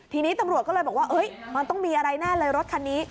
ทีนี้ตำรวจก็เลยบอกว่ามันต้องมีอะไรแน่เลยรถคันนี้